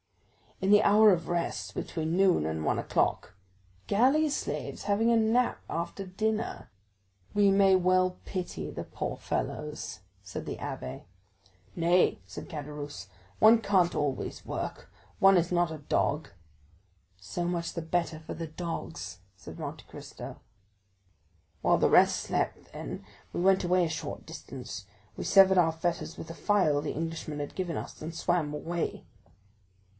"In the hour of rest, between noon and one o'clock——" "Galley slaves having a nap after dinner! We may well pity the poor fellows!" said the abbé. "Nay," said Caderousse, "one can't always work—one is not a dog." "So much the better for the dogs," said Monte Cristo. "While the rest slept, then, we went away a short distance; we severed our fetters with a file the Englishman had given us, and swam away."